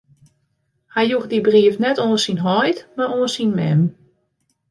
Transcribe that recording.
Hy joech dy brief net oan syn heit, mar oan syn mem.